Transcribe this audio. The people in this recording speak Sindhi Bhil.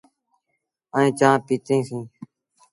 ائيٚݩ چآنه پيٚتيٚسيٚݩ۔